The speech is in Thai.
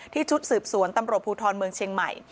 ชุดสืบสวนตำรวจภูทรเมืองเชียงใหม่